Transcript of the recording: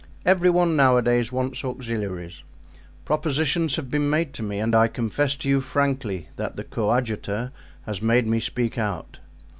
Every one nowadays wants auxiliaries; propositions have been made to me and I confess to you frankly that the coadjutor has made me speak out."